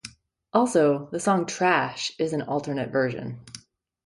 Also, the song "Trash" is an alternate version.